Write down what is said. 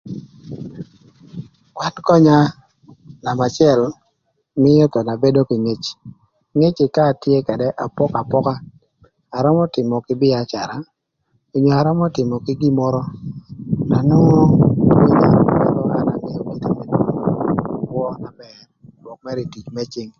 Kwan könya, nama acël, mïö thon abedo kï ngec, ngec ni ka atye ködë, apoko apoka, arömö tïmö kï bïacara onyo arömö tïmö kï gin mörö na nwongo mïa abedo kï kwö na bër rwök mërë ï tic më cïng.